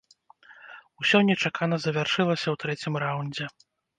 Усё нечакана завяршылася ў трэцім раўндзе.